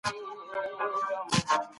دا ماشوم تر هغه بل ماشوم ډېر کتابونه لولي.